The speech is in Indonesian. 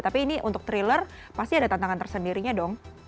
tapi ini untuk thriller pasti ada tantangan tersendirinya dong